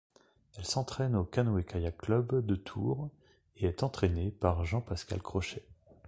Elle s'entraîne au Canöe-Kayak Club de Tours et est entraînée par Jean-Pascal Crochet.